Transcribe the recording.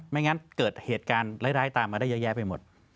ไม่งั้นเกิดเหตุการณ์ร้ายตามมาได้เยอะแยะไปหมด